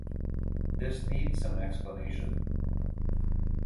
This needs some explanation.